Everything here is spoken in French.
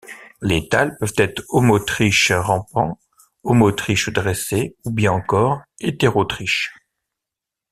Les thalles peuvent être homotriche rampant, homotriche dressé ou bien encore hétérotriche.